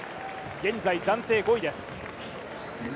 現在暫定５位です。